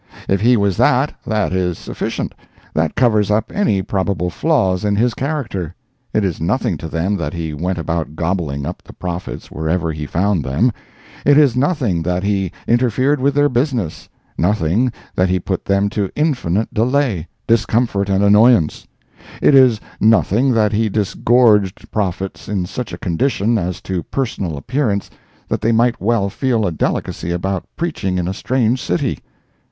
If he was that, that is sufficient. That covers up any probable flaws in his character. It is nothing to them that he went about gobbling up the prophets wherever he found them; it is nothing that he interfered with their business—nothing that he put them to infinite delay, discomfort and annoyance; it is nothing that he disgorged prophets in such a condition, as to personal appearance, that they might well feel a delicacy about preaching in a strange city.